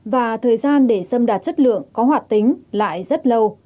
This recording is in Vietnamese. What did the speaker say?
và thời gian để sâm đạt chất lượng có hoạt tính lại rất lâu